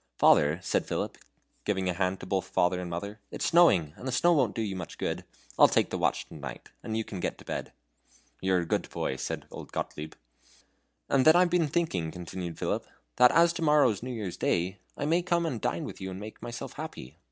"Father," said Philip, giving a hand to both father and mother, "it's snowing, and the snow won't do you much good. I'll take the watch to night, and you can get to bed." "You're a good boy," said old Gottlieb. "And then I've been thinking," continued Philip, "that as to morrow is New Year's Day, I may come and dine with you and make myself happy.